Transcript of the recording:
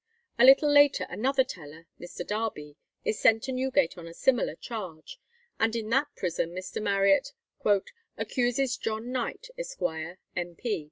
A little later another teller, Mr. Darby, is sent to Newgate on a similar charge, and in that prison Mr. Marriott "accuses John Knight, Esq., M. P.